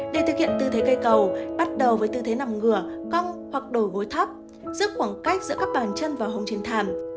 để thực hiện tư thế cây cầu bắt đầu với tư thế nằm ngửa cong hoặc đồ gối thấp giữa khoảng cách giữa các bàn chân và hông trên thảm